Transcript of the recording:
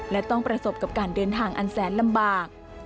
และต้องประสบกับการเดินทางอันแสนลำบาก